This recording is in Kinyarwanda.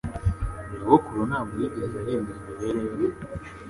Nyogokuru ntabwo yigeze ahindura imibereho ye